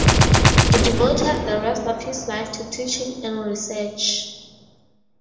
He devoted the rest of his life to teaching and research.